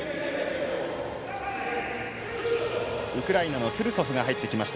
ウクライナのトゥルソフが入ってきました。